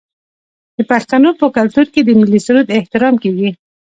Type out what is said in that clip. د پښتنو په کلتور کې د ملي سرود احترام کیږي.